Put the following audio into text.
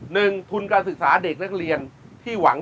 หนึ่งทุนการศึกษาเด็กนักเรียนที่หวัง